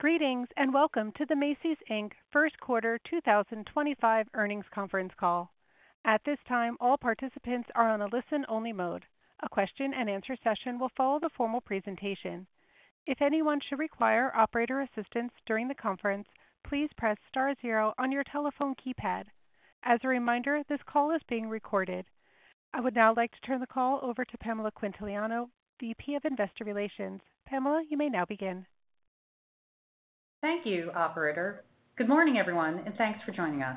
Greetings and welcome to the Macy's First Quarter 2025 earnings conference call. At this time, all participants are on a listen-only mode. A question-and-answer session will follow the formal presentation. If anyone should require operator assistance during the conference, please press star zero on your telephone keypad. As a reminder, this call is being recorded. I would now like to turn the call over to Pamela Quintiliano, VP of Investor Relations. Pamela, you may now begin. Thank you, Operator. Good morning, everyone, and thanks for joining us.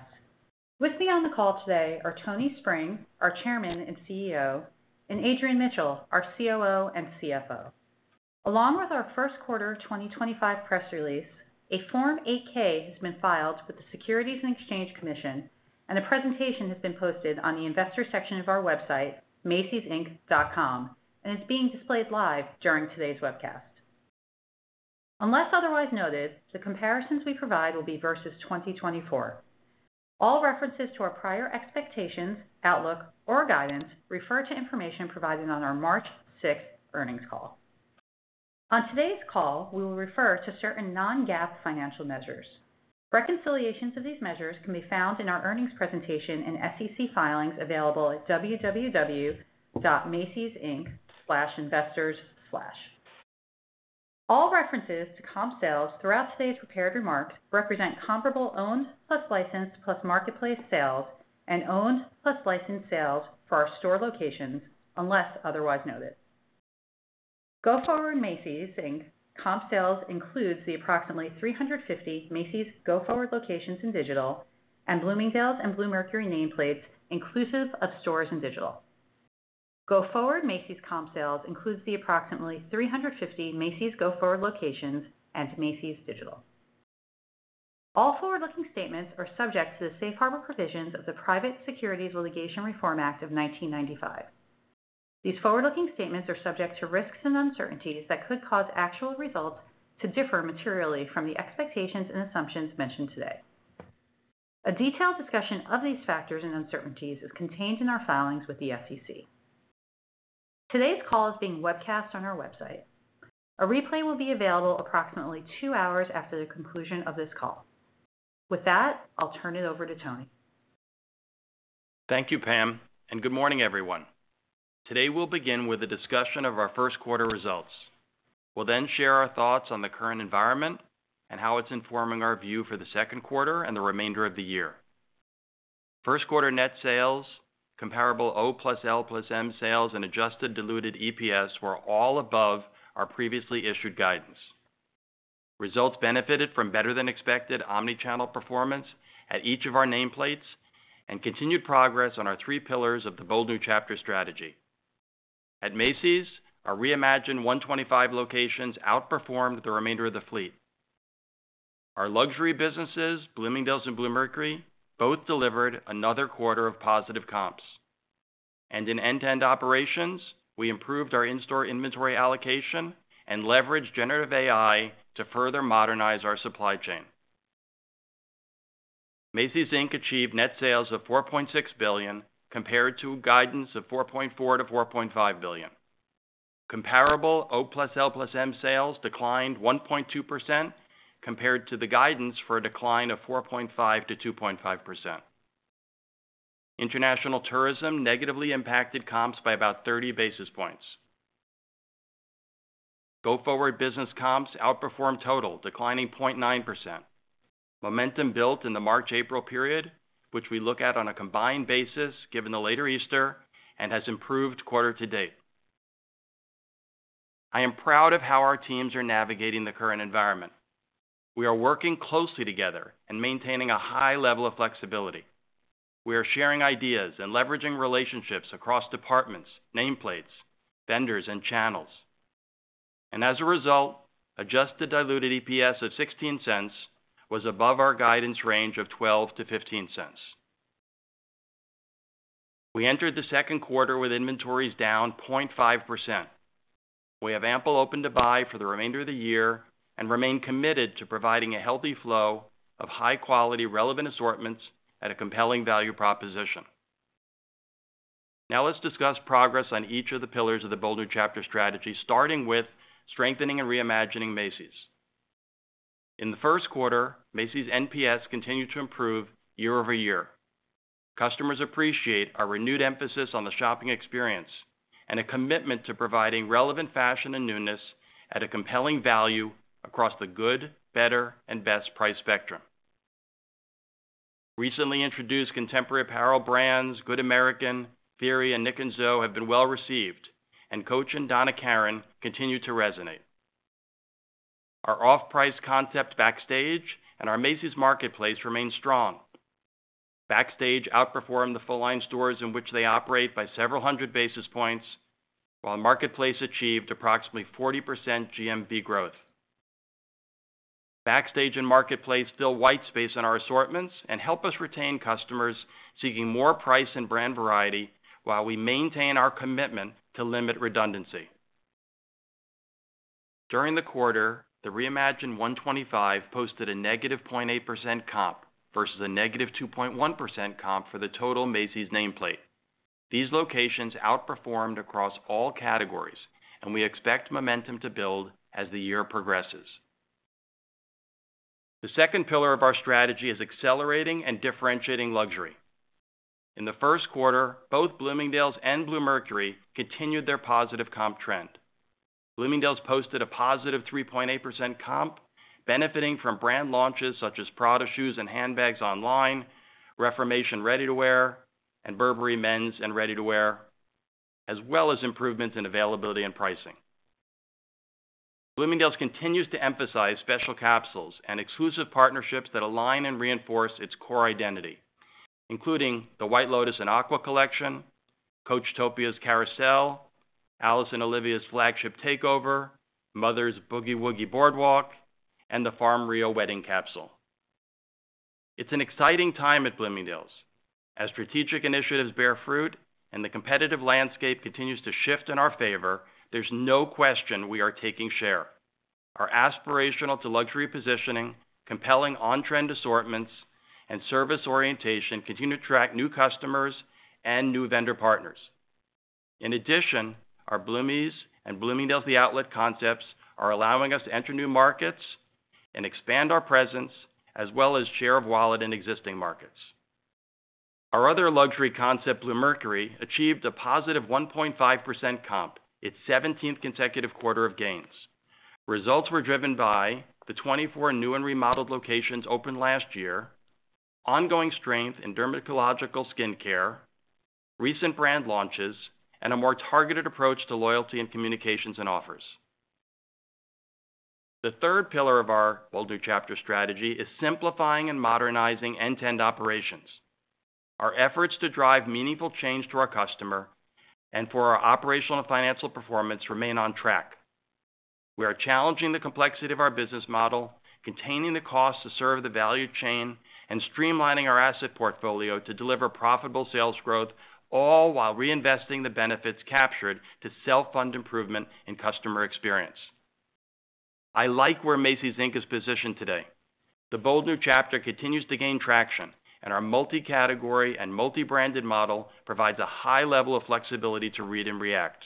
With me on the call today are Tony Spring, our Chairman and CEO, and Adrian Mitchell, our COO and CFO. Along with our first quarter 2025 press release, a Form 8-K has been filed with the Securities and Exchange Commission, and a presentation has been posted on the investor section of our website, macysinc.com, and is being displayed live during today's webcast. Unless otherwise noted, the comparisons we provide will be versus 2024. All references to our prior expectations, outlook, or guidance refer to information provided on our March 6th earnings call. On today's call, we will refer to certain non-GAAP financial measures. Reconciliations of these measures can be found in our earnings presentation and SEC filings available at www.macysinc/investors. All references to comp sales throughout today's prepared remarks represent comparable owned plus licensed plus Marketplace sales and owned plus licensed sales for our store locations, unless otherwise noted. Go-forward Macy's, Inc comp sales includes the approximately 350 Macy's go-forward locat-ions in digital and Bloomingdale's and Bluemercury nameplates inclusive of stores in digital. Go-forward Macy's comp sales includes the approximately 350 Macy's go-forward locations and Macy's digital. All forward-looking statements are subject to the safe harbor provisions of the Private Securities Litigation Reform Act of 1995. These forward-looking statements are subject to risks and uncertainties that could cause actual results to differ materially from the expectations and assumptions mentioned today. A detailed discussion of these factors and uncertainties is contained in our filings with the SEC. Today's call is being webcast on our website. A replay will be available approximately two hours after the conclusion of this call. With that, I'll turn it over to Tony. Thank you, Pam, and good morning, everyone. Today we'll begin with a discussion of our first quarter results. We'll then share our thoughts on the current environment and how it's informing our view for the second quarter and the remainder of the year. First quarter net sales, comparable O plus L plus M sales, and adjusted diluted EPS were all above our previously issued guidance. Results benefited from better than expected omnichannel performance at each of our nameplates and continued progress on our three pillars of the Bold New Chapter strategy. At Macy's, our Reimagine 125 locations outperformed the remainder of the fleet. Our luxury businesses, Bloomingdale's and Bluemercury, both delivered another quarter of positive comps. In end-to-end operations, we improved our in-store inventory allocation and leveraged generative AI to further modernize our supply chain. Macy's, Inc. Achieved net sales of $4.6 billion compared to guidance of $4.4-$4.5 billion. Comparable O plus L plus M sales declined 1.2% compared to the guidance for a decline of 4.5%-2.5%. International tourism negatively impacted comps by about 30 basis points. Go-forward business comps outperformed total, declining 0.9%. Momentum built in the March-April period, which we look at on a combined basis given the later Easter, and has improved quarter to date. I am proud of how our teams are navigating the current environment. We are working closely together and maintaining a high level of flexibility. We are sharing ideas and leveraging relationships across departments, nameplates, vendors, and channels. As a result, adjusted diluted EPS of $0.16 was above our guidance range of $0.12-$0.15. We entered the second quarter with inventories down 0.5%. We have ample open to buy for the remainder of the year and remain committed to providing a healthy flow of high-quality, relevant assortments at a compelling value proposition. Now let's discuss progress on each of the pillars of the Bold New Chapter strategy, starting with strengthening and reimagining Macy's. In the first quarter, Macy's NPS continued to improve year over year. Customers appreciate our renewed emphasis on the shopping experience and a commitment to providing relevant fashion and newness at a compelling value across the good, better, and best price spectrum. Recently introduced contemporary apparel brands, Good American, Fury, and NIC+ZOE have been well received, and Coach and Donna Karan continue to resonate. Our off-price concept Backstage and our Macy's Marketplace remained strong. Backstage outperformed the full-line stores in which they operate by several hundred basis points, while the Marketplace achieved approximately 40% GMV growth. Backstage and Marketplace fill white space in our assortments and help us retain customers seeking more price and brand variety while we maintain our commitment to limit redundancy. During the quarter, the Reimagine 125 posted a negative 0.8% comp versus a negative 2.1% comp for the total Macy's nameplate. These locations outperformed across all categories, and we expect momentum to build as the year progresses. The second pillar of our strategy is accelerating and differentiating luxury. In the first quarter, both Bloomingdale's and Bluemercury continued their positive comp trend. Bloomingdale's posted a positive 3.8% comp, benefiting from brand launches such as Prada shoes and handbags online, Reformation ready-to-wear, and Burberry men's and ready-to-wear, as well as improvements in availability and pricing. Bloomingdale's continues to emphasize special capsules and exclusive partnerships that align and reinforce its core identity, including the White Lotus and Aqua collection, Coachtopia's Carousel, Alice + Olivia's flagship takeover, Mother's Boogie Woogie Boardwalk, and the Farm Rio wedding capsule. It's an exciting time at Bloomingdale's. As strategic initiatives bear fruit and the competitive landscape continues to shift in our favor, there's no question we are taking share. Our aspirational to luxury positioning, compelling on-trend assortments, and service orientation continue to attract new customers and new vendor partners. In addition, our Bloomies and Bloomingdale's The Outlet concepts are allowing us to enter new markets and expand our presence as well as share of wallet in existing markets. Our other luxury concept, Bluemercury, achieved a positive 1.5% comp, its 17th consecutive quarter of gains. Results were driven by the 24 new and remodeled locations opened last year, ongoing strength in dermatological skincare, recent brand launches, and a more targeted approach to loyalty and communications and offers. The third pillar of our Bold New Chapter strategy is simplifying and modernizing end-to-end operations. Our efforts to drive meaningful change to our customer and for our operational and financial performance remain on track. We are challenging the complexity of our business model, containing the costs to serve the value chain, and streamlining our asset portfolio to deliver profitable sales growth, all while reinvesting the benefits captured to self-fund improvement and customer experience. I like where Macy's, Inc is positioned today. The Bold New Chapter continues to gain traction, and our multi-category and multi-branded model provides a high level of flexibility to read and react.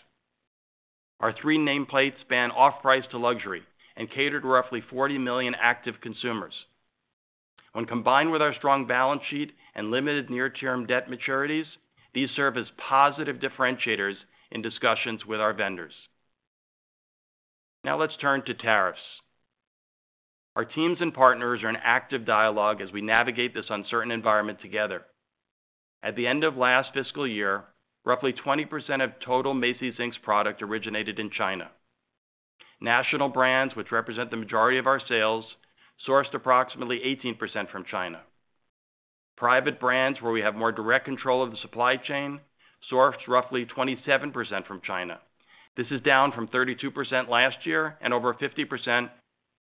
Our three nameplates span off-price to luxury and cater to roughly 40 million active consumers. When combined with our strong balance sheet and limited near-term debt maturities, these serve as positive differentiators in discussions with our vendors. Now let's turn to tariffs. Our teams and partners are in active dialogue as we navigate this uncertain environment together. At the end of last fiscal year, roughly 20% of total Macy's, Inc product originated in China. National brands, which represent the majority of our sales, sourced approximately 18% from China. Private brands, where we have more direct control of the supply chain, sourced roughly 27% from China. This is down from 32% last year and over 50%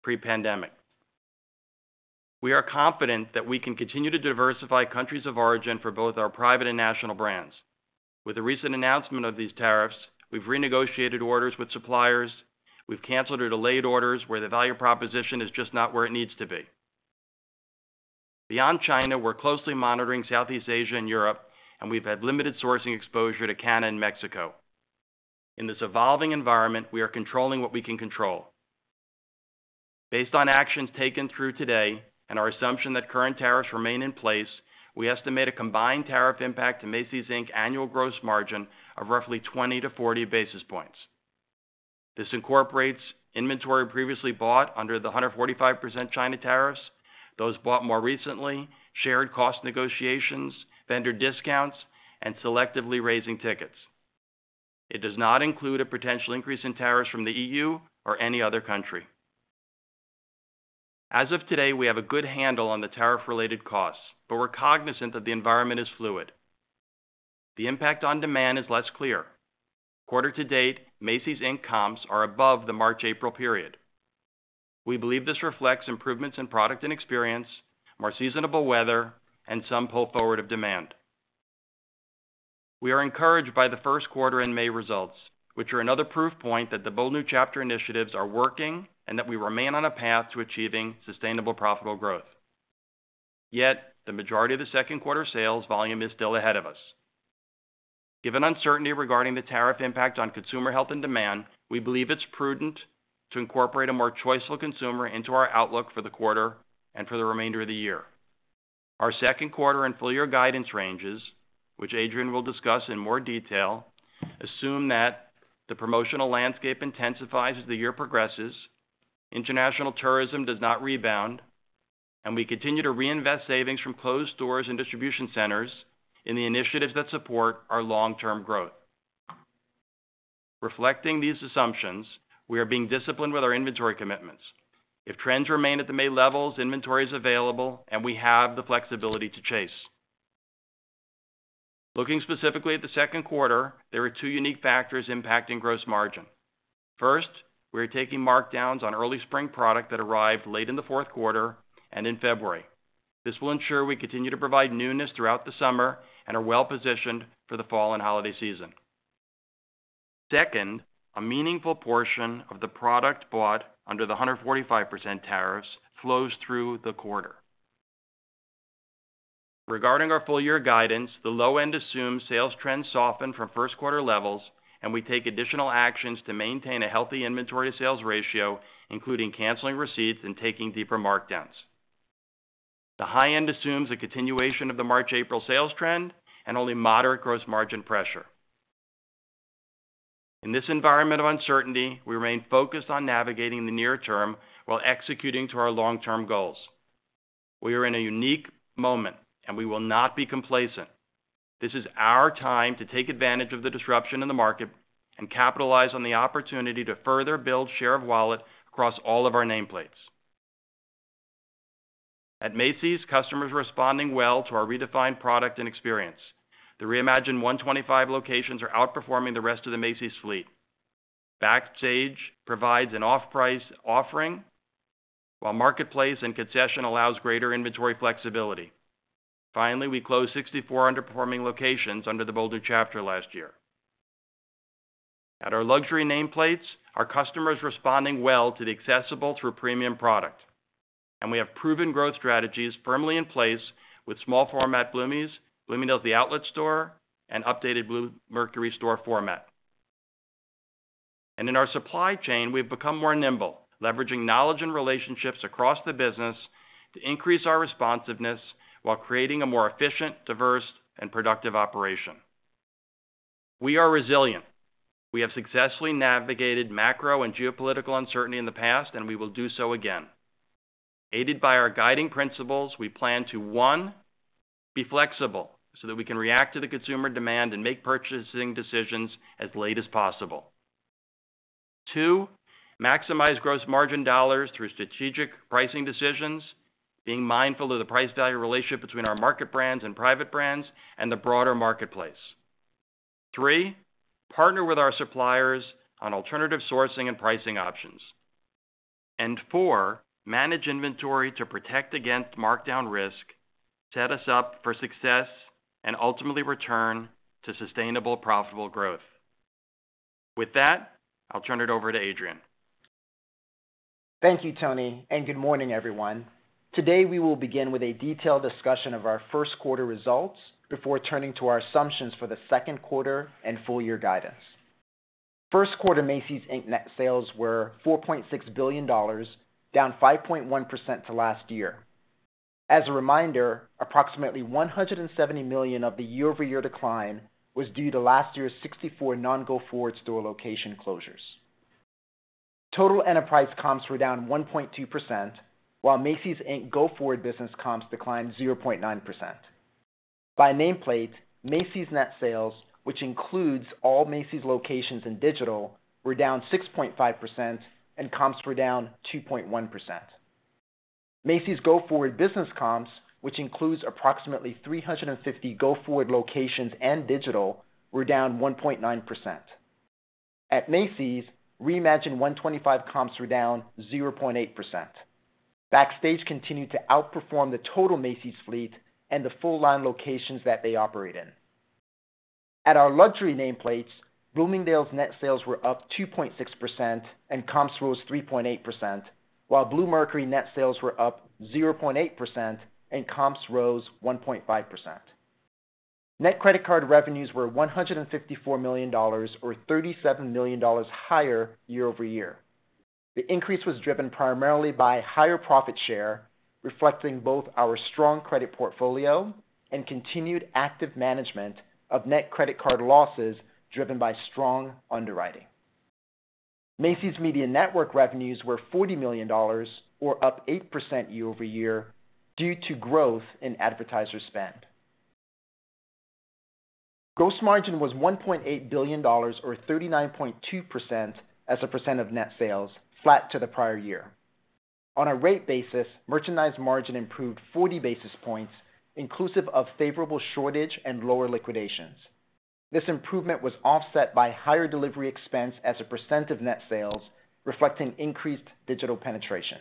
pre-pandemic. We are confident that we can continue to diversify countries of origin for both our private and national brands. With the recent announcement of these tariffs, we've renegotiated orders with suppliers. We've canceled or delayed orders where the value proposition is just not where it needs to be. Beyond China, we're closely monitoring Southeast Asia and Europe, and we've had limited sourcing exposure to Canada and Mexico. In this evolving environment, we are controlling what we can control. Based on actions taken through today and our assumption that current tariffs remain in place, we estimate a combined tariff impact to Macy's, Inc annual gross margin of roughly 20-40 basis points. This incorporates inventory previously bought under the 145% China tariffs, those bought more recently, shared cost negotiations, vendor discounts, and selectively raising tickets. It does not include a potential increase in tariffs from the EU or any other country. As of today, we have a good handle on the tariff-related costs, but we're cognizant that the environment is fluid. The impact on demand is less clear. Quarter to date, Macy's, Inc comps are above the March-April period. We believe this reflects improvements in product and experience, more seasonable weather, and some pull forward of demand. We are encouraged by the first quarter and May results, which are another proof point that the Bold New Chapter initiatives are working and that we remain on a path to achieving sustainable profitable growth. Yet, the majority of the second quarter sales volume is still ahead of us. Given uncertainty regarding the tariff impact on consumer health and demand, we believe it's prudent to incorporate a more choiceful consumer into our outlook for the quarter and for the remainder of the year. Our second quarter and full-year guidance ranges, which Adrian will discuss in more detail, assume that the promotional landscape intensifies as the year progresses, international tourism does not rebound, and we continue to reinvest savings from closed stores and distribution centers in the initiatives that support our long-term growth. Reflecting these assumptions, we are being disciplined with our inventory commitments. If trends remain at the May levels, inventory is available, and we have the flexibility to chase. Looking specifically at the second quarter, there are two unique factors impacting gross margin. First, we are taking markdowns on early spring product that arrived late in the fourth quarter and in February. This will ensure we continue to provide newness throughout the summer and are well positioned for the fall and holiday season. Second, a meaningful portion of the product bought under the 145% tariffs flows through the quarter. Regarding our full-year guidance, the low end assumes sales trends soften from first quarter levels, and we take additional actions to maintain a healthy inventory sales ratio, including canceling receipts and taking deeper markdowns. The high end assumes a continuation of the March-April sales trend and only moderate gross margin pressure. In this environment of uncertainty, we remain focused on navigating the near term while executing to our long-term goals. We are in a unique moment, and we will not be complacent. This is our time to take advantage of the disruption in the market and capitalize on the opportunity to further build share of wallet across all of our nameplates. At Macy's, customers are responding well to our redefined product and experience. The Reimagine 125 locations are outperforming the rest of the Macy's fleet. Backstage provides an off-price offering, while Marketplace and concession allows greater inventory flexibility. Finally, we closed 64 underperforming locations under the Bold New Chapter last year. At our luxury nameplates, our customers are responding well to the accessible through premium product, and we have proven growth strategies firmly in place with small format Bloomies, Bloomingdale's The Outlet store, and updated Bluemercury store format. In our supply chain, we have become more nimble, leveraging knowledge and relationships across the business to increase our responsiveness while creating a more efficient, diverse, and productive operation. We are resilient. We have successfully navigated macro and geopolitical uncertainty in the past, and we will do so again. Aided by our guiding principles, we plan to, one, be flexible so that we can react to the consumer demand and make purchasing decisions as late as possible. Two, maximize gross margin dollars through strategic pricing decisions, being mindful of the price-value relationship between our market brands and private brands and the broader Marketplace. Three, partner with our suppliers on alternative sourcing and pricing options. Four, manage inventory to protect against markdown risk, set us up for success, and ultimately return to sustainable profitable growth. With that, I'll turn it over to Adrian. Thank you, Tony, and good morning, everyone. Today, we will begin with a detailed discussion of our first quarter results before turning to our assumptions for the second quarter and full-year guidance. First quarter Macy's, Inc net sales were $4.6 billion, down 5.1% to last year. As a reminder, approximately $170 million of the year-over-year decline was due to last year's 64 non-go-forward store location closures. Total enterprise comps were down 1.2%, while Macy's, Inc go-forward business comps declined 0.9%. By nameplate, Macy's net sales, which includes all Macy's locations and digital, were down 6.5%, and comps were down 2.1%. Macy's go-forward business comps, which includes approximately 350 go-forward locations and digital, were down 1.9%. At Macy's, Reimagine 125 comps were down 0.8%. Backstage continued to outperform the total Macy's fleet and the full-line locations that they operate in. At our luxury nameplates, Bloomingdale's net sales were up 2.6% and comps rose 3.8%, while Bluemercury net sales were up 0.8% and comps rose 1.5%. Net credit card revenues were $154 million, or $37 million higher year over year. The increase was driven primarily by higher profit share, reflecting both our strong credit portfolio and continued active management of net credit card losses driven by strong underwriting. Macy's Media Network revenues were $40 million, or up 8% year over year, due to growth in advertiser spend. Gross margin was $1.8 billion, or 39.2% as a percent of net sales, flat to the prior year. On a rate basis, merchandise margin improved 40 basis points, inclusive of favorable shortage and lower liquidations. This improvement was offset by higher delivery expense as a percent of net sales, reflecting increased digital penetration.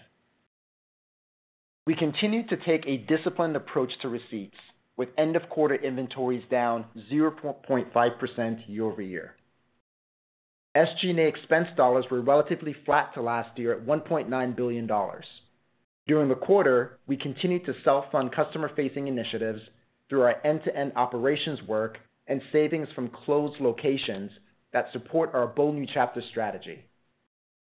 We continue to take a disciplined approach to receipts, with end-of-quarter inventories down 0.5% year over year. SG&A expense dollars were relatively flat to last year at $1.9 billion. During the quarter, we continued to self-fund customer-facing initiatives through our end-to-end operations work and savings from closed locations that support our Bold New Chapter strategy.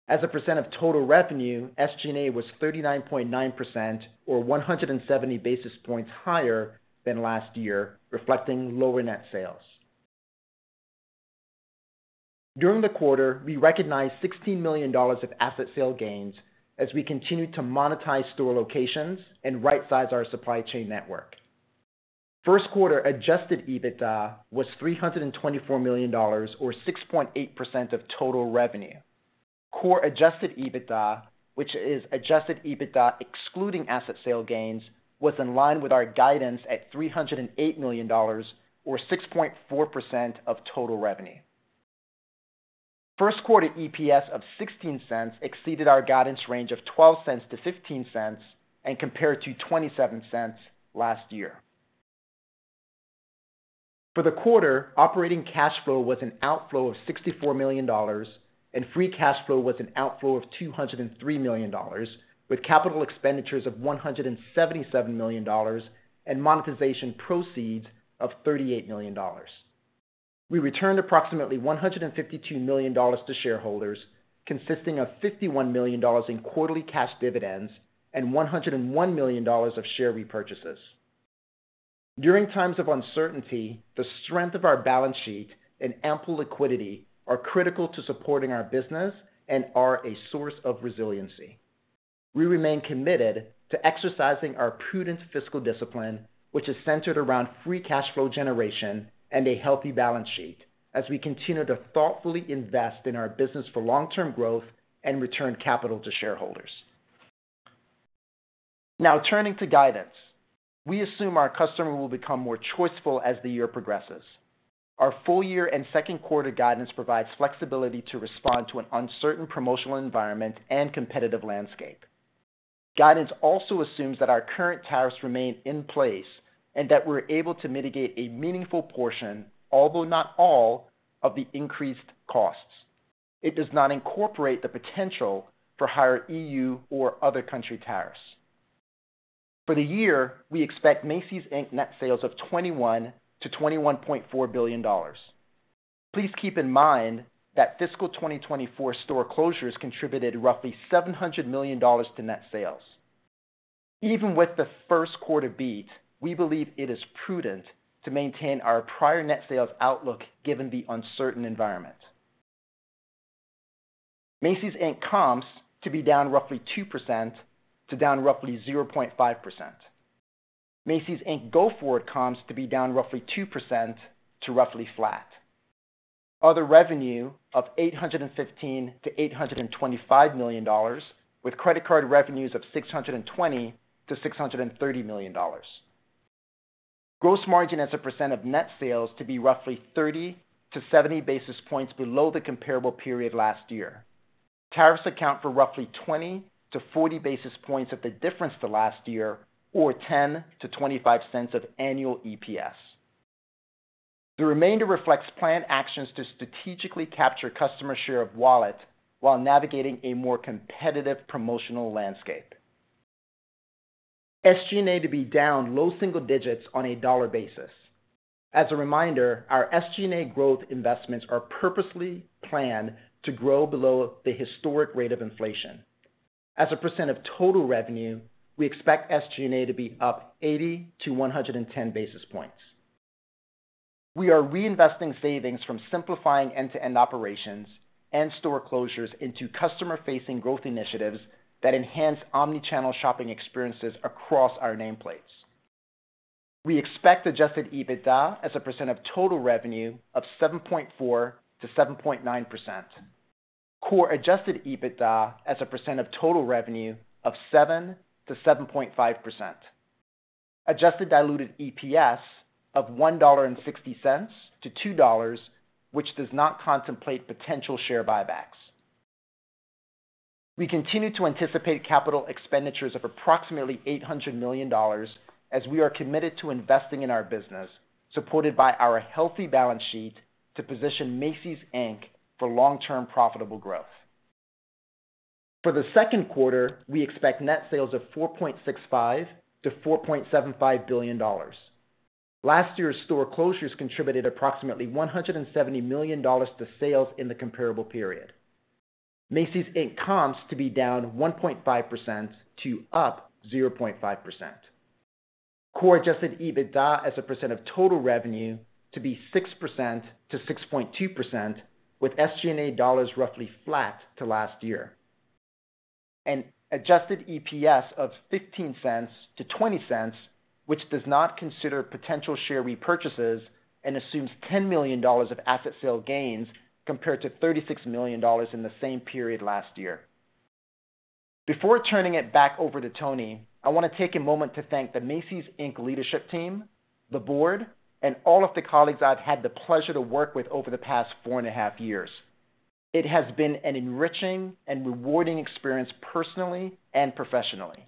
As a percent of total revenue, SG&A was 39.9%, or 170 basis points higher than last year, reflecting lower net sales. During the quarter, we recognized $16 million of asset sale gains as we continued to monetize store locations and right-size our supply chain network. First quarter adjusted EBITDA was $324 million, or 6.8% of total revenue. Core adjusted EBITDA, which is adjusted EBITDA excluding asset sale gains, was in line with our guidance at $308 million, or 6.4% of total revenue. First quarter EPS of $0.16 exceeded our guidance range of $0.12-$0.15 and compared to $0.27 last year. For the quarter, operating cash flow was an outflow of $64 million, and free cash flow was an outflow of $203 million, with capital expenditures of $177 million and monetization proceeds of $38 million. We returned approximately $152 million to shareholders, consisting of $51 million in quarterly cash dividends and $101 million of share repurchases. During times of uncertainty, the strength of our balance sheet and ample liquidity are critical to supporting our business and are a source of resiliency. We remain committed to exercising our prudent fiscal discipline, which is centered around free cash flow generation and a healthy balance sheet, as we continue to thoughtfully invest in our business for long-term growth and return capital to shareholders. Now turning to guidance, we assume our customer will become more choiceful as the year progresses. Our full-year and second quarter guidance provides flexibility to respond to an uncertain promotional environment and competitive landscape. Guidance also assumes that our current tariffs remain in place and that we're able to mitigate a meaningful portion, although not all, of the increased costs. It does not incorporate the potential for higher EU or other country tariffs. For the year, we expect Macy's, Inc. Net sales of $21 billion-$21.4 billion. Please keep in mind that fiscal 2024 store closures contributed roughly $700 million to net sales. Even with the first quarter beat, we believe it is prudent to maintain our prior net sales outlook given the uncertain environment. Macy's, Inc comps to be down roughly 2% to down roughly 0.5%. Macy's, Inc go-forward comps to be down roughly 2% to roughly flat. Other revenue of $815 million-$825 million, with credit card revenues of $620 million-$630 million. Gross margin as a percent of net sales to be roughly 30-70 basis points below the comparable period last year. Tariffs account for roughly 20-40 basis points of the difference to last year, or $0.10-$0.25 of annual EPS. The remainder reflects planned actions to strategically capture customer share of wallet while navigating a more competitive promotional landscape. SG&A to be down low single digits on a dollar basis. As a reminder, our SG&A growth investments are purposely planned to grow below the historic rate of inflation. As a percent of total revenue, we expect SG&A to be up 80 to 110 basis points. We are reinvesting savings from simplifying end-to-end operations and store closures into customer-facing growth initiatives that enhance omnichannel shopping experiences across our nameplates. We expect adjusted EBITDA as a percent of total revenue of 7.4-7.9%. Core adjusted EBITDA as a percent of total revenue of 7-7.5%. Adjusted diluted EPS of $1.60-$2, which does not contemplate potential share buybacks. We continue to anticipate capital expenditures of approximately $800 million as we are committed to investing in our business, supported by our healthy balance sheet to position Macy's, Inc for long-term profitable growth. For the second quarter, we expect net sales of $4.65-$4.75 billion. Last year's store closures contributed approximately $170 million to sales in the comparable period. Macy's, Inc comps to be down 1.5% to up 0.5%. Core adjusted EBITDA as a percent of total revenue to be 6%-6.2%, with SG&A dollars roughly flat to last year. An adjusted EPS of $0.15-$0.20, which does not consider potential share repurchases and assumes $10 million of asset sale gains compared to $36 million in the same period last year. Before turning it back over to Tony, I want to take a moment to thank the Macy's, Inc leadership team, the board, and all of the colleagues I've had the pleasure to work with over the past four and a half years. It has been an enriching and rewarding experience personally and professionally.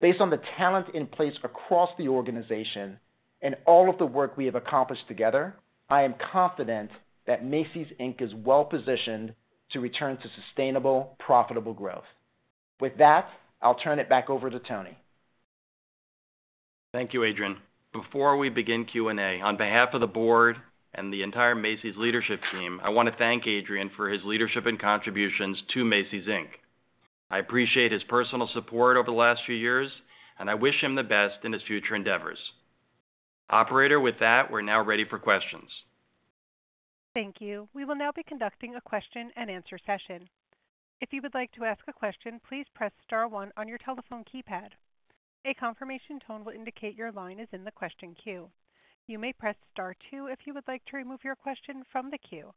Based on the talent in place across the organization and all of the work we have accomplished together, I am confident that Macy's, Inc is well positioned to return to sustainable, profitable growth. With that, I'll turn it back over to Tony. Thank you, Adrian. Before we begin Q&A, on behalf of the board and the entire Macy's leadership team, I want to thank Adrian for his leadership and contributions to Macy's, Inc. I appreciate his personal support over the last few years, and I wish him the best in his future endeavors. Operator, with that, we're now ready for questions. Thank you. We will now be conducting a question-and-answer session. If you would like to ask a question, please press Star 1 on your telephone keypad. A confirmation tone will indicate your line is in the question queue. You may press Star 2 if you would like to remove your question from the queue.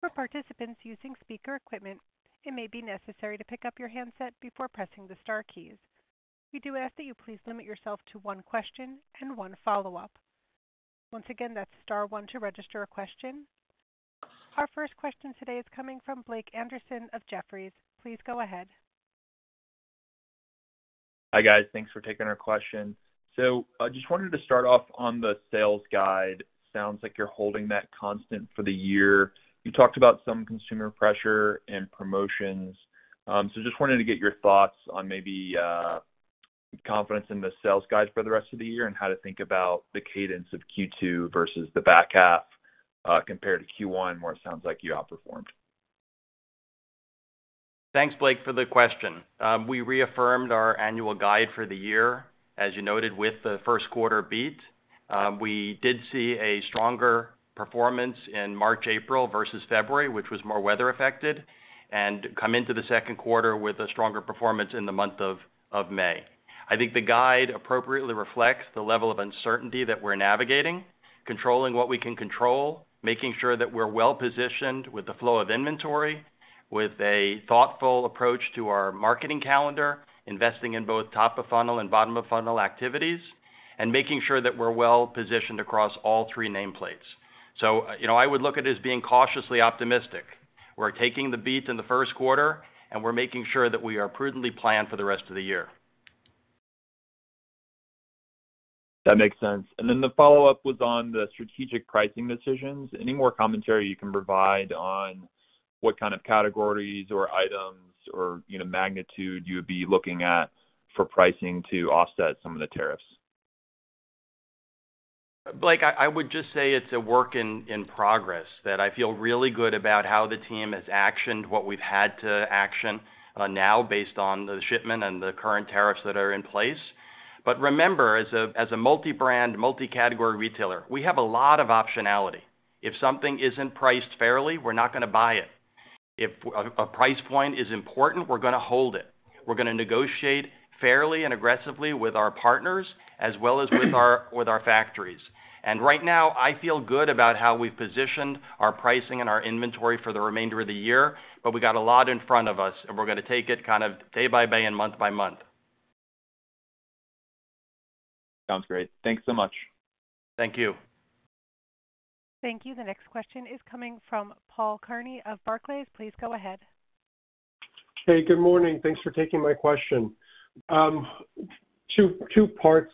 For participants using speaker equipment, it may be necessary to pick up your handset before pressing the Star keys. We do ask that you please limit yourself to one question and one follow-up. Once again, that's Star 1 to register a question. Our first question today is coming from Blake Anderson of Jefferies. Please go ahead. Hi guys, thanks for taking our question. I just wanted to start off on the sales guide. Sounds like you're holding that constant for the year. You talked about some consumer pressure and promotions. I just wanted to get your thoughts on maybe confidence in the sales guide for the rest of the year and how to think about the cadence of Q2 versus the back half compared to Q1, where it sounds like you outperformed. Thanks, Blake, for the question. We reaffirmed our annual guide for the year, as you noted, with the first quarter beat. We did see a stronger performance in March, April versus February, which was more weather-affected, and come into the second quarter with a stronger performance in the month of May. I think the guide appropriately reflects the level of uncertainty that we're navigating, controlling what we can control, making sure that we're well positioned with the flow of inventory, with a thoughtful approach to our marketing calendar, investing in both top-of-funnel and bottom-of-funnel activities, and making sure that we're well positioned across all three nameplates. I would look at it as being cautiously optimistic. We're taking the beat in the first quarter, and we're making sure that we are prudently planned for the rest of the year. That makes sense. The follow-up was on the strategic pricing decisions. Any more commentary you can provide on what kind of categories or items or magnitude you would be looking at for pricing to offset some of the tariffs? Blake, I would just say it's a work in progress that I feel really good about how the team has actioned what we've had to action now based on the shipment and the current tariffs that are in place. Remember, as a multi-brand, multi-category retailer, we have a lot of optionality. If something isn't priced fairly, we're not going to buy it. If a price point is important, we're going to hold it. We're going to negotiate fairly and aggressively with our partners as well as with our factories. Right now, I feel good about how we've positioned our pricing and our inventory for the remainder of the year, but we've got a lot in front of us, and we're going to take it kind of day by day and month by month. Sounds great. Thanks so much. Thank you. Thank you. The next question is coming from Paul Kearney of Barclays. Please go ahead. Hey, good morning. Thanks for taking my question. Two parts.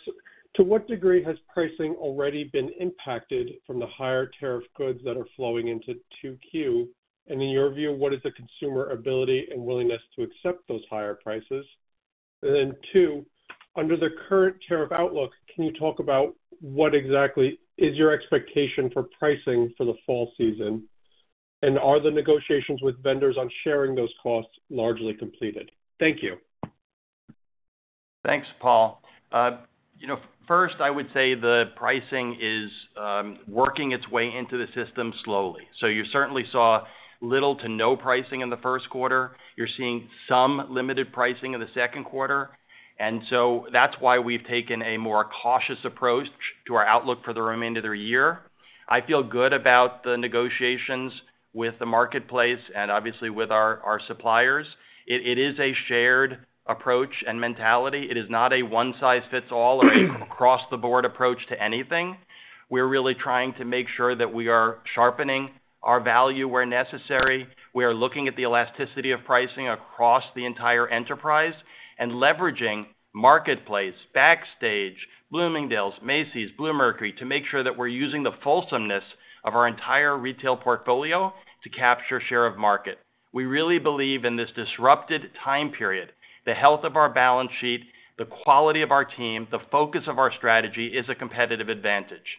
To what degree has pricing already been impacted from the higher tariff goods that are flowing into Q2? In your view, what is the consumer ability and willingness to accept those higher prices? And then two, under the current tariff outlook, can you talk about what exactly is your expectation for pricing for the fall season? Are the negotiations with vendors on sharing those costs largely completed? Thank you. Thanks, Paul. First, I would say the pricing is working its way into the system slowly. You certainly saw little to no pricing in the first quarter. You're seeing some limited pricing in the second quarter. That is why we've taken a more cautious approach to our outlook for the remainder of the year. I feel good about the negotiations with the Marketplace and obviously with our suppliers. It is a shared approach and mentality. It is not a one-size-fits-all or across-the-board approach to anything. We're really trying to make sure that we are sharpening our value where necessary. We are looking at the elasticity of pricing across the entire enterprise and leveraging Marketplace, Backstage, Bloomingdale's, Macy's, Bluemercury to make sure that we're using the fulsomeness of our entire retail portfolio to capture share of market. We really believe in this disrupted time period. The health of our balance sheet, the quality of our team, the focus of our strategy is a competitive advantage.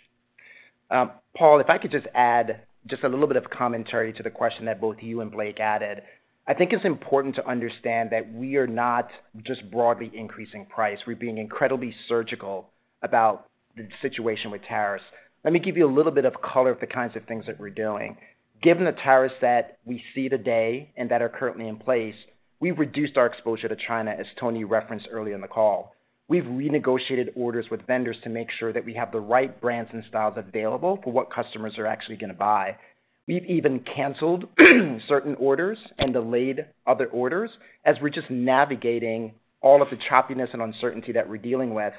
Paul, if I could just add just a little bit of commentary to the question that both you and Blake added, I think it's important to understand that we are not just broadly increasing price. We're being incredibly surgical about the situation with tariffs. Let me give you a little bit of color of the kinds of things that we're doing. Given the tariffs that we see today and that are currently in place, we've reduced our exposure to China, as Tony referenced earlier in the call. We've renegotiated orders with vendors to make sure that we have the right brands and styles available for what customers are actually going to buy. We've even canceled certain orders and delayed other orders as we're just navigating all of the choppiness and uncertainty that we're dealing with.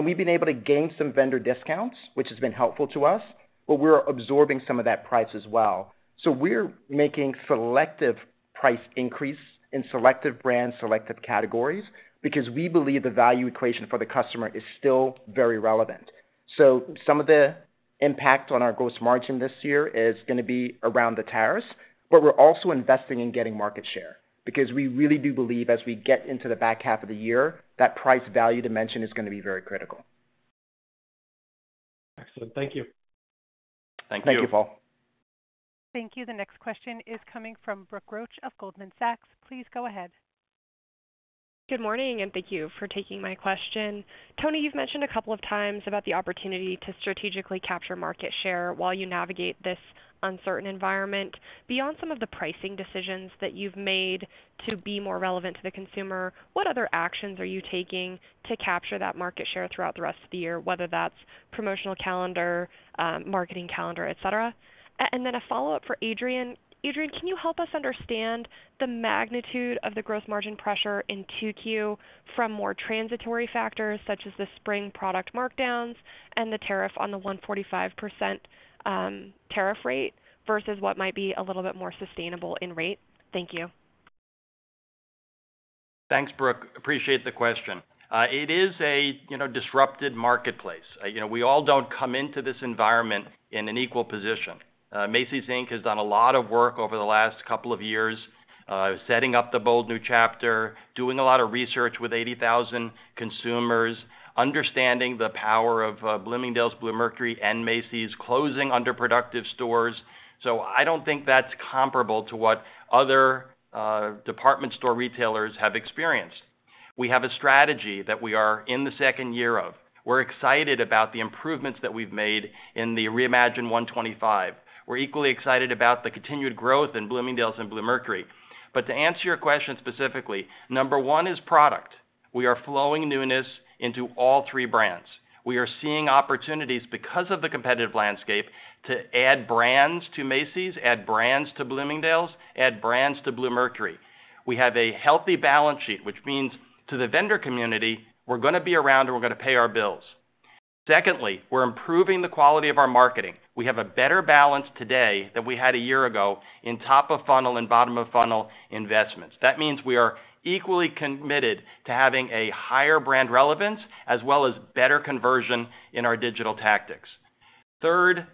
We've been able to gain some vendor discounts, which has been helpful to us, but we're absorbing some of that price as well. We're making selective price increases in selective brands, selective categories, because we believe the value equation for the customer is still very relevant. Some of the impact on our gross margin this year is going to be around the tariffs, but we're also investing in getting market share because we really do believe as we get into the back half of the year, that price value dimension is going to be very critical. Excellent. Thank you. Thank you, Paul. Thank you, Paul. Thank you. The next question is coming from Brooke Roach of Goldman Sachs. Please go ahead. Good morning, and thank you for taking my question. Tony, you've mentioned a couple of times about the opportunity to strategically capture market share while you navigate this uncertain environment. Beyond some of the pricing decisions that you've made to be more relevant to the consumer, what other actions are you taking to capture that market share throughout the rest of the year, whether that's promotional calendar, marketing calendar, etc.? And then a follow-up for Adrian. Adrian, can you help us understand the magnitude of the gross margin pressure in Q2 from more transitory factors such as the spring product markdowns and the tariff on the 145% tariff rate versus what might be a little bit more sustainable in rate? Thank you. Thanks, Brooke. Appreciate the question. It is a disrupted Marketplace. We all don't come into this environment in an equal position. Macy's, Inc. has done a lot of work over the last couple of years setting up the Bold New Chapter, doing a lot of research with 80,000 consumers, understanding the power of Bloomingdale's, Bluemercury, and Macy's closing underproductive stores. I don't think that's comparable to what other department store retailers have experienced. We have a strategy that we are in the second year of. We're excited about the improvements that we've made in the Reimagine 125. We're equally excited about the continued growth in Bloomingdale's and Bluemercury. To answer your question specifically, number one is product. We are flowing newness into all three brands. We are seeing opportunities because of the competitive landscape to add brands to Macy's, add brands to Bloomingdale's, add brands to Bluemercury. We have a healthy balance sheet, which means to the vendor community, we're going to be around and we're going to pay our bills. Secondly, we're improving the quality of our marketing. We have a better balance today than we had a year ago in top-of-funnel and bottom-of-funnel investments. That means we are equally committed to having a higher brand relevance as well as better conversion in our digital tactics. Third,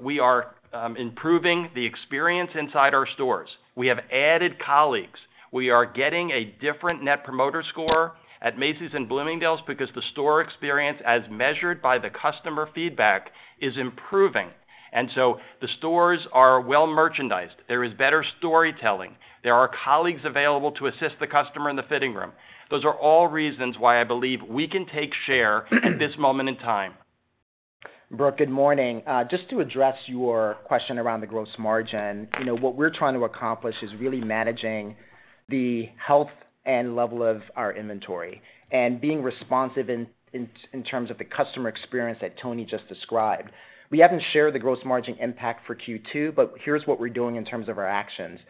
we are improving the experience inside our stores. We have added colleagues. We are getting a different Net Promoter Score at Macy's and Bloomingdale's because the store experience, as measured by the customer feedback, is improving. The stores are well merchandised. There is better storytelling. There are colleagues available to assist the customer in the fitting room. Those are all reasons why I believe we can take share at this moment in time. Brooke, good morning. Just to address your question around the gross margin, what we're trying to accomplish is really managing the health and level of our inventory and being responsive in terms of the customer experience that Tony just described. We haven't shared the gross margin impact for Q2, but here's what we're doing in terms of our actions.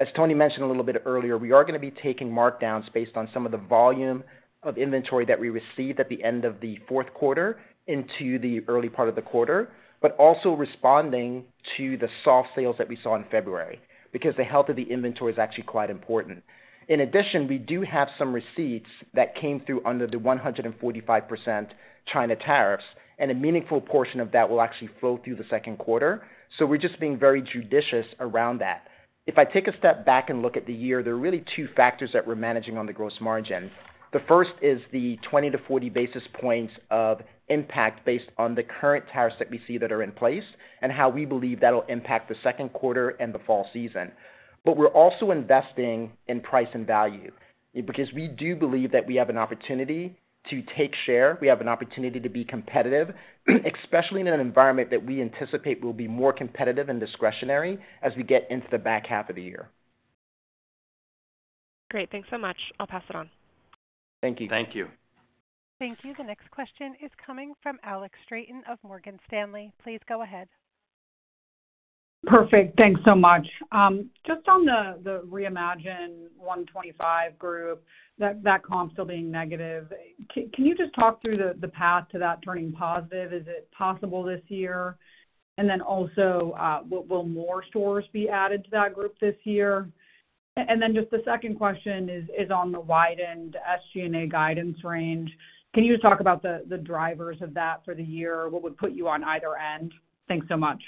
As Tony mentioned a little bit earlier, we are going to be taking markdowns based on some of the volume of inventory that we received at the end of the fourth quarter into the early part of the quarter, but also responding to the soft sales that we saw in February because the health of the inventory is actually quite important. In addition, we do have some receipts that came through under the 15% China tariffs, and a meaningful portion of that will actually flow through the second quarter. We're just being very judicious around that. If I take a step back and look at the year, there are really two factors that we're managing on the gross margin. The first is the 20-40 basis points of impact based on the current tariffs that we see that are in place and how we believe that will impact the second quarter and the fall season. We're also investing in price and value because we do believe that we have an opportunity to take share. We have an opportunity to be competitive, especially in an environment that we anticipate will be more competitive and discretionary as we get into the back half of the year. Great. Thanks so much. I'll pass it on. Thank you. Thank you. Thank you. The next question is coming from Alex Straton of Morgan Stanley. Please go ahead. Perfect. Thanks so much. Just on the Reimagine 125 group, that comp still being negative, can you just talk through the path to that turning positive? Is it possible this year? Also, will more stores be added to that group this year? The second question is on the widened SG&A guidance range. Can you just talk about the drivers of that for the year? What would put you on either end? Thanks so much.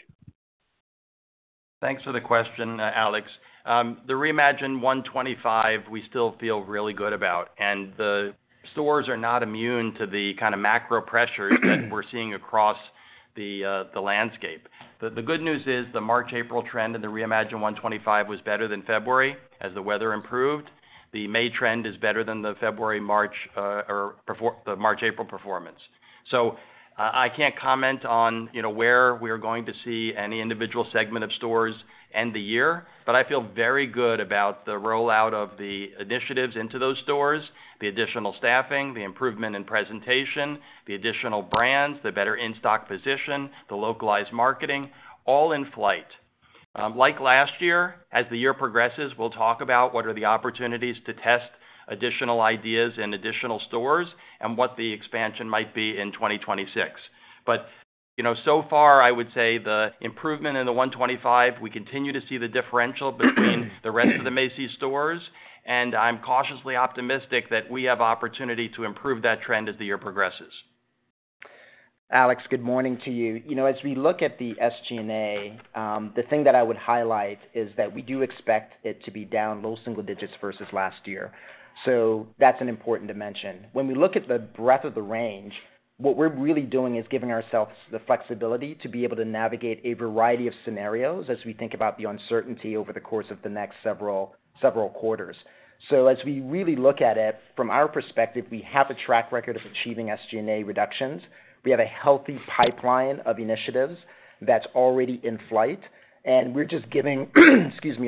Thanks for the question, Alex. The Reimagine 125, we still feel really good about. The stores are not immune to the kind of macro pressures that we're seeing across the landscape. The good news is the March-April trend in the Reimagine 125 was better than February as the weather improved. The May trend is better than the February-March or the March-April performance. I can't comment on where we are going to see any individual segment of stores end the year, but I feel very good about the rollout of the initiatives into those stores, the additional staffing, the improvement in presentation, the additional brands, the better in-stock position, the localized marketing, all in flight. Like last year, as the year progresses, we'll talk about what are the opportunities to test additional ideas in additional stores and what the expansion might be in 2026. So far, I would say the improvement in the 125, we continue to see the differential between the rest of the Macy's stores, and I'm cautiously optimistic that we have opportunity to improve that trend as the year progresses. Alex, good morning to you. As we look at the SG&A, the thing that I would highlight is that we do expect it to be down low single digits versus last year. That is an important dimension. When we look at the breadth of the range, what we are really doing is giving ourselves the flexibility to be able to navigate a variety of scenarios as we think about the uncertainty over the course of the next several quarters. As we really look at it from our perspective, we have a track record of achieving SG&A reductions. We have a healthy pipeline of initiatives that is already in flight, and we are just giving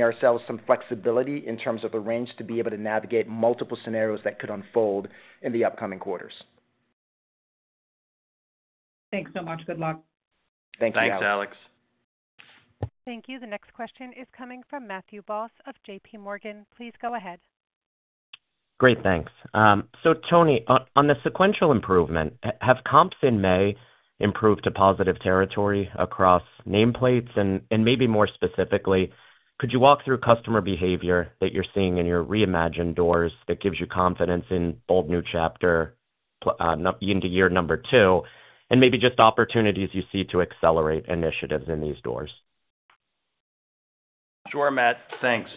ourselves some flexibility in terms of the range to be able to navigate multiple scenarios that could unfold in the upcoming quarters. Thanks so much. Good luck. Thanks, Alex. Thanks, Alex. Thank you. The next question is coming from Matthew Boss of JPMorgan. Please go ahead. Great. Thanks. So Tony, on the sequential improvement, have comps in May improved to positive territory across nameplates? And maybe more specifically, could you walk through customer behavior that you're seeing in your Reimagine doors that gives you confidence in bold new chapter into year number two? And maybe just opportunities you see to accelerate initiatives in these doors. Sure, Matt. Thanks.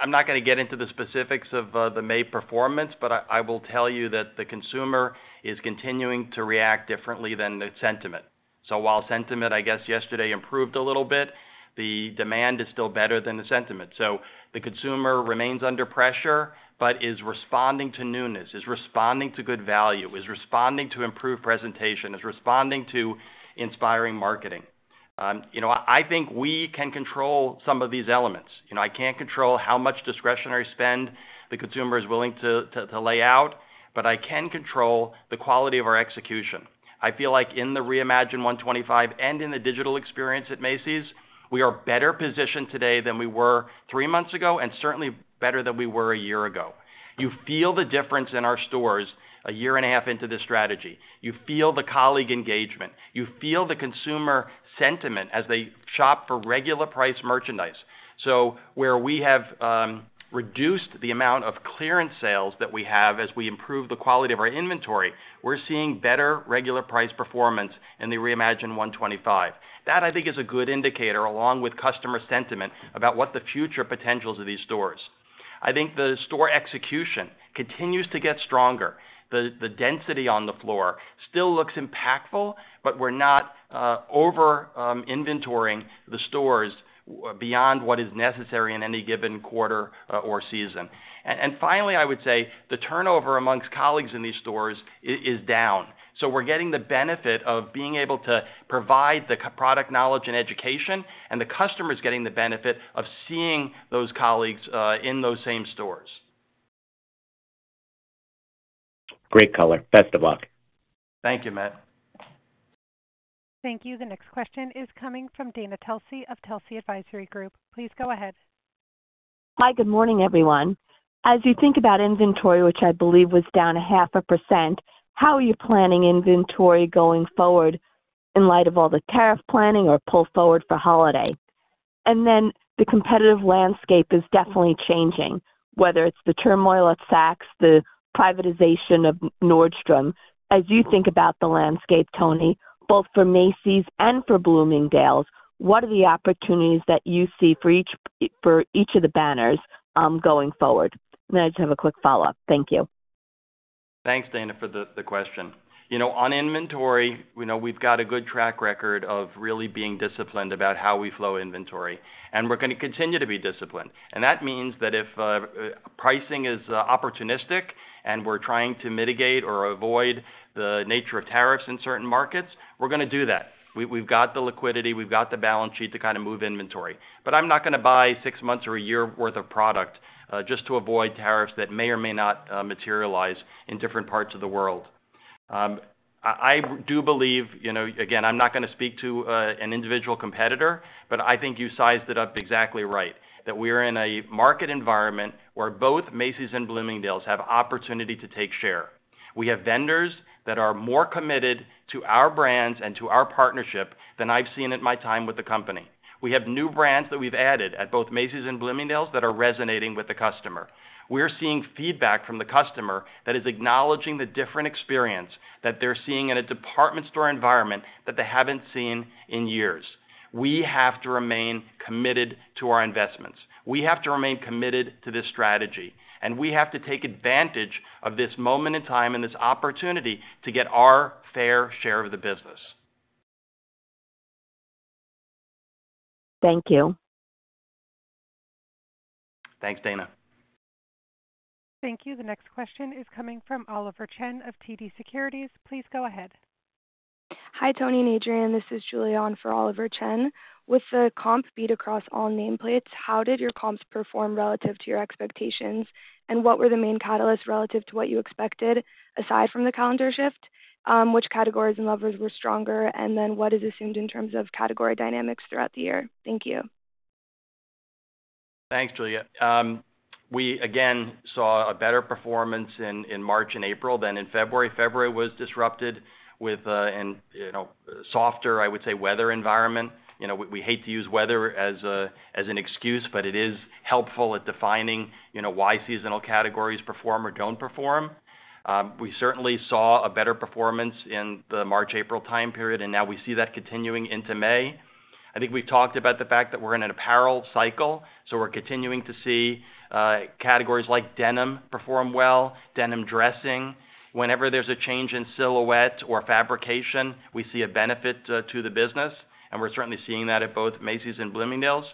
I'm not going to get into the specifics of the May performance, but I will tell you that the consumer is continuing to react differently than the sentiment. While sentiment, I guess, yesterday improved a little bit, the demand is still better than the sentiment. The consumer remains under pressure but is responding to newness, is responding to good value, is responding to improved presentation, is responding to inspiring marketing. I think we can control some of these elements. I can't control how much discretionary spend the consumer is willing to lay out, but I can control the quality of our execution. I feel like in the Reimagine 125 and in the digital experience at Macy's, we are better positioned today than we were three months ago and certainly better than we were a year ago. You feel the difference in our stores a year and a half into this strategy. You feel the colleague engagement. You feel the consumer sentiment as they shop for regular price merchandise. Where we have reduced the amount of clearance sales that we have as we improve the quality of our inventory, we're seeing better regular price performance in the Reimagine 125. That, I think, is a good indicator along with customer sentiment about what the future potentials of these stores are. I think the store execution continues to get stronger. The density on the floor still looks impactful, but we're not over-inventoring the stores beyond what is necessary in any given quarter or season. Finally, I would say the turnover amongst colleagues in these stores is down. We're getting the benefit of being able to provide the product knowledge and education, and the customer is getting the benefit of seeing those colleagues in those same stores. Great color. Best of luck. Thank you, Matt. Thank you. The next question is coming from Dana Telsey of Telsey Advisory Group. Please go ahead. Hi. Good morning, everyone. As you think about inventory, which I believe was down 0.5%, how are you planning inventory going forward in light of all the tariff planning or pull forward for holiday? The competitive landscape is definitely changing, whether it's the turmoil at Saks, the privatization of Nordstrom. As you think about the landscape, Tony, both for Macy's and for Bloomingdale's, what are the opportunities that you see for each of the banners going forward? I just have a quick follow-up. Thank you. Thanks, Dana, for the question. On inventory, we've got a good track record of really being disciplined about how we flow inventory. We're going to continue to be disciplined. That means that if pricing is opportunistic and we're trying to mitigate or avoid the nature of tariffs in certain markets, we're going to do that. We've got the liquidity. We've got the balance sheet to kind of move inventory. I'm not going to buy six months or a year's worth of product just to avoid tariffs that may or may not materialize in different parts of the world. I do believe, again, I'm not going to speak to an individual competitor, but I think you sized it up exactly right, that we are in a market environment where both Macy's and Bloomingdale's have opportunity to take share. We have vendors that are more committed to our brands and to our partnership than I've seen at my time with the company. We have new brands that we've added at both Macy's and Bloomingdale's that are resonating with the customer. We're seeing feedback from the customer that is acknowledging the different experience that they're seeing in a department store environment that they haven't seen in years. We have to remain committed to our investments. We have to remain committed to this strategy. We have to take advantage of this moment in time and this opportunity to get our fair share of the business. Thank you. Thanks, Dana. Thank you. The next question is coming from Oliver Chen of TD Securities. Please go ahead. Hi, Tony and Adrian. This is Julie on for Oliver Chen. With the comp beat across all nameplates, how did your comps perform relative to your expectations? What were the main catalysts relative to what you expected, aside from the calendar shift? Which categories and levers were stronger? What is assumed in terms of category dynamics throughout the year? Thank you. Thanks, Julie. We, again, saw a better performance in March and April than in February. February was disrupted with a softer, I would say, weather environment. We hate to use weather as an excuse, but it is helpful at defining why seasonal categories perform or do not perform. We certainly saw a better performance in the March-April time period, and now we see that continuing into May. I think we've talked about the fact that we're in an apparel cycle, so we're continuing to see categories like denim perform well, denim dressing. Whenever there's a change in silhouette or fabrication, we see a benefit to the business. We're certainly seeing that at both Macy's and Bloomingdale's.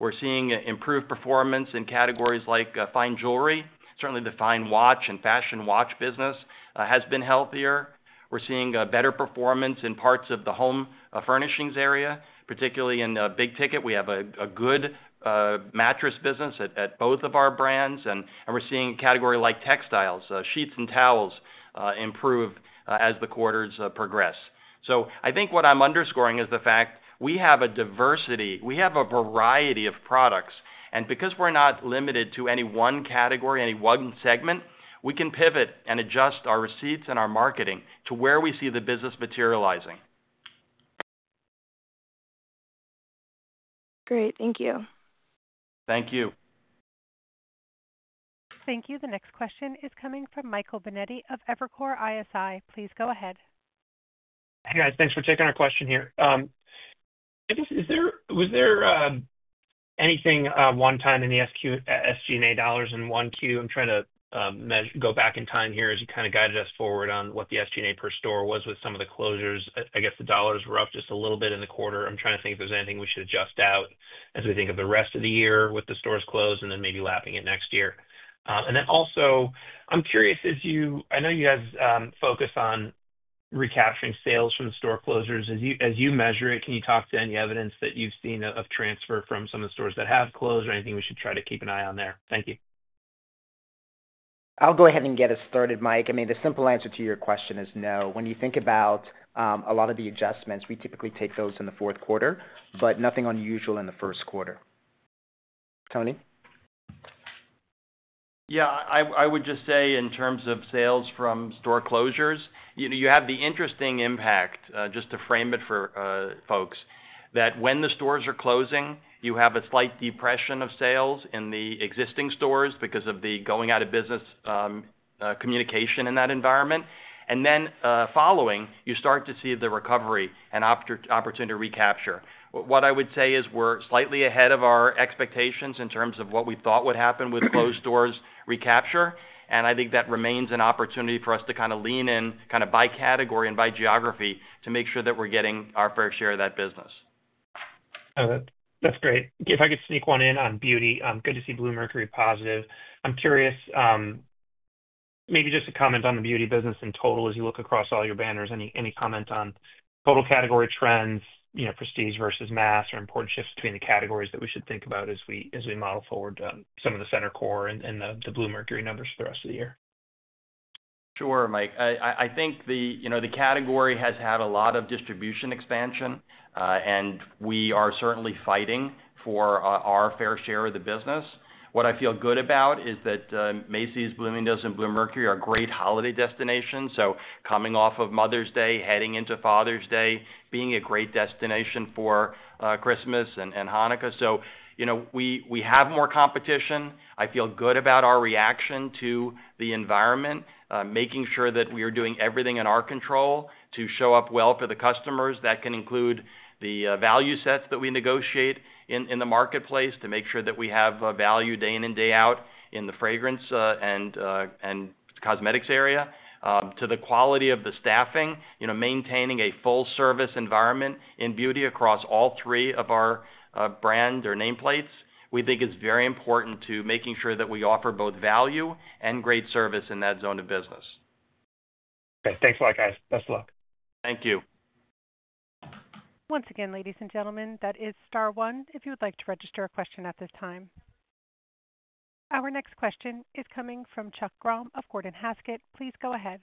We're seeing improved performance in categories like fine jewelry. Certainly, the fine watch and fashion watch business has been healthier. We're seeing better performance in parts of the home furnishings area, particularly in big ticket. We have a good mattress business at both of our brands. We're seeing categories like textiles, sheets, and towels improve as the quarters progress. I think what I'm underscoring is the fact we have a diversity. We have a variety of products. Because we're not limited to any one category, any one segment, we can pivot and adjust our receipts and our marketing to where we see the business materializing. Great. Thank you. Thank you. Thank you. The next question is coming from Michael Benetti of Evercore ISI. Please go ahead. Hey, guys. Thanks for taking our question here. I guess, was there anything one time in the SG&A dollars in one Q? I'm trying to go back in time here as you kind of guided us forward on what the SG&A per store was with some of the closures. I guess the dollars were up just a little bit in the quarter. I'm trying to think if there's anything we should adjust out as we think of the rest of the year with the stores closed and then maybe lapping it next year. I'm curious, as you—I know you guys focus on recapturing sales from the store closures. As you measure it, can you talk to any evidence that you've seen of transfer from some of the stores that have closed or anything we should try to keep an eye on there? Thank you. I'll go ahead and get us started, Mike. I mean, the simple answer to your question is no. When you think about a lot of the adjustments, we typically take those in the fourth quarter, but nothing unusual in the first quarter. Tony? Yeah. I would just say in terms of sales from store closures, you have the interesting impact, just to frame it for folks, that when the stores are closing, you have a slight depression of sales in the existing stores because of the going-out-of-business communication in that environment. Then following, you start to see the recovery and opportunity to recapture. What I would say is we're slightly ahead of our expectations in terms of what we thought would happen with closed stores recapture. I think that remains an opportunity for us to kind of lean in kind of by category and by geography to make sure that we're getting our fair share of that business. That's great. If I could sneak one in on beauty. Good to see Bluemercury positive. I'm curious, maybe just a comment on the beauty business in total as you look across all your banners. Any comment on total category trends, prestige versus mass, or important shifts between the categories that we should think about as we model forward some of the center core and the Bluemercury numbers for the rest of the year? Sure, Mike. I think the category has had a lot of distribution expansion, and we are certainly fighting for our fair share of the business. What I feel good about is that Macy's, Bloomingdale's, and Bluemercury are great holiday destinations. Coming off of Mother's Day, heading into Father's Day, being a great destination for Christmas and Hanukkah. We have more competition. I feel good about our reaction to the environment, making sure that we are doing everything in our control to show up well for the customers. That can include the value sets that we negotiate in the Marketplace to make sure that we have value day in and day out in the fragrance and cosmetics area. To the quality of the staffing, maintaining a full-service environment in beauty across all three of our brand or nameplates, we think it's very important to making sure that we offer both value and great service in that zone of business. Okay. Thanks a lot, guys. Best of luck. Thank you. Once again, ladies and gentlemen, that is Star One. If you would like to register a question at this time. Our next question is coming from Chuck Grom of Gordon Haskett. Please go ahead.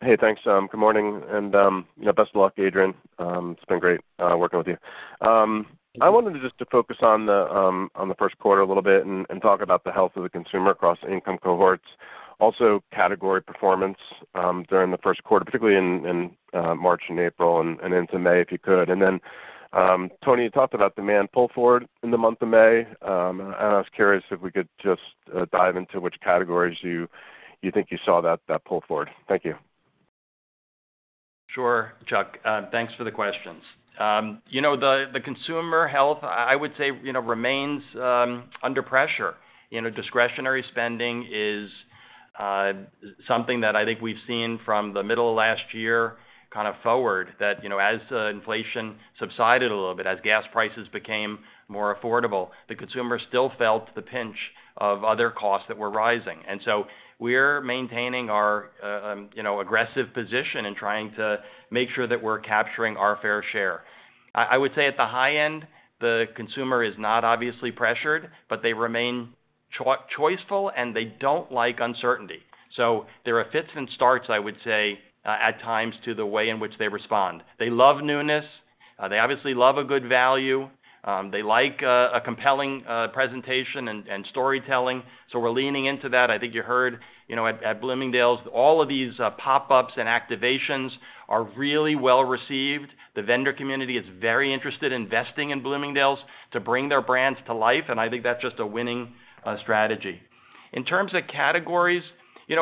Hey, thanks. Good morning. And best of luck, Adrian. It's been great working with you. I wanted to just focus on the first quarter a little bit and talk about the health of the consumer across income cohorts. Also, category performance during the first quarter, particularly in March and April and into May, if you could. Tony, you talked about demand pull forward in the month of May. I was curious if we could just dive into which categories you think you saw that pull forward. Thank you. Sure, Chuck. Thanks for the questions. The consumer health, I would say, remains under pressure. Discretionary spending is something that I think we've seen from the middle of last year kind of forward that as inflation subsided a little bit, as gas prices became more affordable, the consumer still felt the pinch of other costs that were rising. We are maintaining our aggressive position and trying to make sure that we are capturing our fair share. I would say at the high end, the consumer is not obviously pressured, but they remain choiceful, and they do not like uncertainty. There are fits and starts, I would say, at times to the way in which they respond. They love newness. They obviously love a good value. They like a compelling presentation and storytelling. We are leaning into that. I think you heard at Bloomingdale's, all of these pop-ups and activations are really well received. The vendor community is very interested in investing in Bloomingdale's to bring their brands to life. I think that is just a winning strategy. In terms of categories, it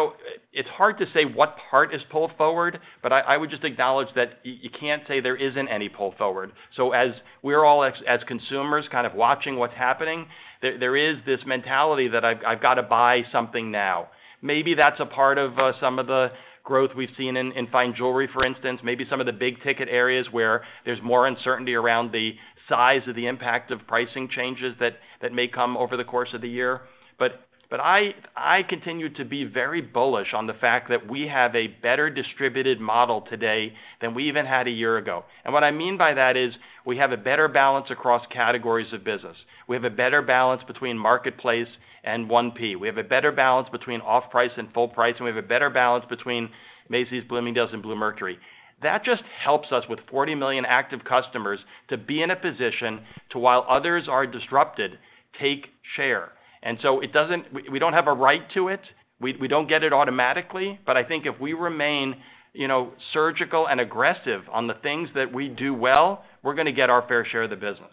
is hard to say what part is pulled forward, but I would just acknowledge that you cannot say there is not any pulled forward. As we are all, as consumers, kind of watching what is happening, there is this mentality that I have got to buy something now. Maybe that is a part of some of the growth we have seen in fine jewelry, for instance. Maybe some of the big ticket areas where there's more uncertainty around the size of the impact of pricing changes that may come over the course of the year. I continue to be very bullish on the fact that we have a better distributed model today than we even had a year ago. What I mean by that is we have a better balance across categories of business. We have a better balance between Marketplace and 1P. We have a better balance between off-price and full-price. We have a better balance between Macy's, Bloomingdale's, and Bluemercury. That just helps us with 40 million active customers to be in a position to, while others are disrupted, take share. We don't have a right to it. We don't get it automatically. I think if we remain surgical and aggressive on the things that we do well, we're going to get our fair share of the business.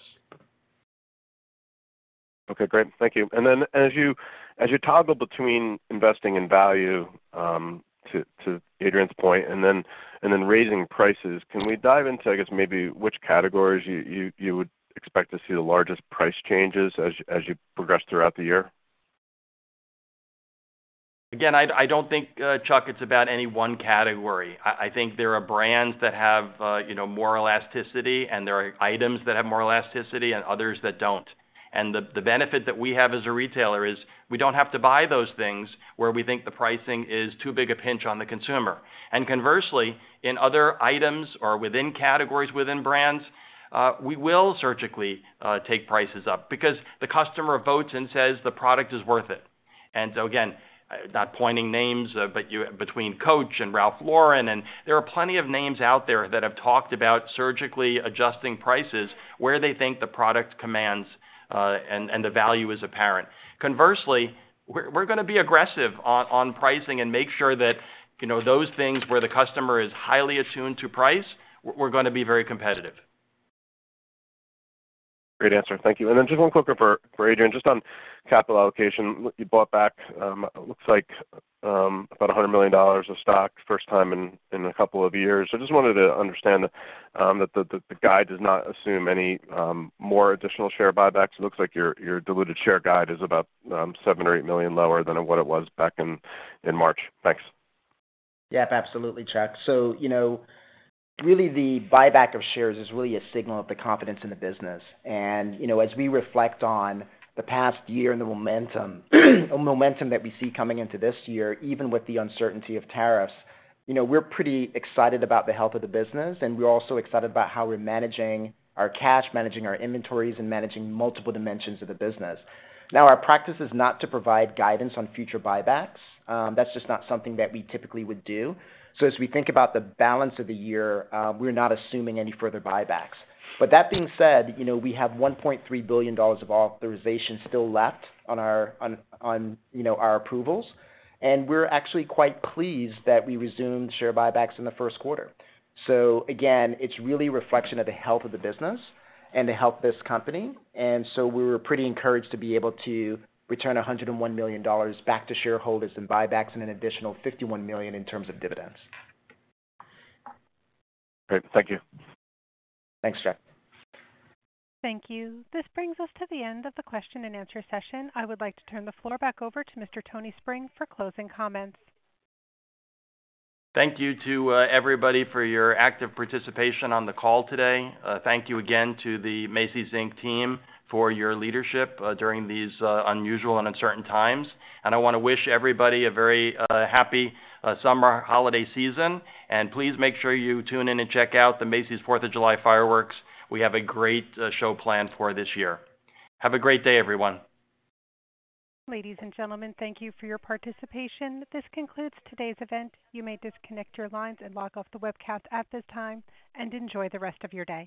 Okay. Great. Thank you. And then as you toggle between investing in value, to Adrian's point, and then raising prices, can we dive into, I guess, maybe which categories you would expect to see the largest price changes as you progress throughout the year? Again, I don't think, Chuck, it's about any one category. I think there are brands that have more elasticity, and there are items that have more elasticity, and others that don't. The benefit that we have as a retailer is we don't have to buy those things where we think the pricing is too big a pinch on the consumer. Conversely, in other items or within categories, within brands, we will surgically take prices up because the customer votes and says the product is worth it. Again, not pointing names, but between Coach and Ralph Lauren, and there are plenty of names out there that have talked about surgically adjusting prices where they think the product commands and the value is apparent. Conversely, we're going to be aggressive on pricing and make sure that those things where the customer is highly attuned to price, we're going to be very competitive. Great answer. Thank you. And then just one quick one for Adrian. Just on capital allocation, you bought back, it looks like, about $100 million of stock first time in a couple of years. I just wanted to understand that the guide does not assume any more additional share buybacks. It looks like your diluted share guide is about $7 million-$8 million lower than what it was back in March. Thanks. Yep. Absolutely, Chuck. Really, the buyback of shares is really a signal of the confidence in the business. As we reflect on the past year and the momentum that we see coming into this year, even with the uncertainty of tariffs, we're pretty excited about the health of the business. We're also excited about how we're managing our cash, managing our inventories, and managing multiple dimensions of the business. Our practice is not to provide guidance on future buybacks. That's just not something that we typically would do. As we think about the balance of the year, we're not assuming any further buybacks. That being said, we have $1.3 billion of authorization still left on our approvals. We're actually quite pleased that we resumed share buybacks in the first quarter. It's really a reflection of the health of the business and the health of this company. We were pretty encouraged to be able to return $101 million back to shareholders in buybacks and an additional $51 million in terms of dividends. Great. Thank you. Thanks, Chuck. Thank you. This brings us to the end of the question-and-answer session. I would like to turn the floor back over to Mr. Tony Spring for closing comments. Thank you to everybody for your active participation on the call today. Thank you again to the Macy's, Inc team for your leadership during these unusual and uncertain times. I want to wish everybody a very happy summer holiday season. Please make sure you tune in and check out the Macy's 4th of July fireworks. We have a great show planned for this year. Have a great day, everyone. Ladies and gentlemen, thank you for your participation. This concludes today's event. You may disconnect your lines and log off the webcast at this time and enjoy the rest of your day.